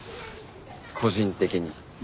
個人的に。